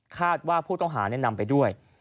คาดว่าผู้ต้องหานำไปด้วย